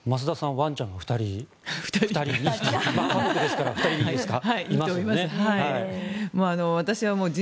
ワンちゃんが２人家族ですから２人でいいですか。